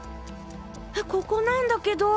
ここなんだけど。